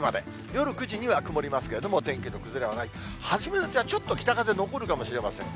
夜９時には曇りますけれども、天気の崩れはないと、初めはちょっと北風残るかもしれません。